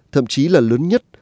thậm chí là lớn nhất